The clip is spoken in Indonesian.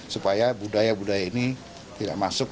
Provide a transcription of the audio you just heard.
supaya budaya budaya ini tidak masuk